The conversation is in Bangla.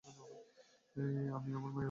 অমিয়া আমার পায়ের কাছে বসল।